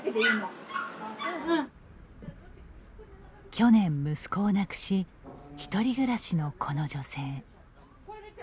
去年息子を亡くし１人暮らしのこの女性。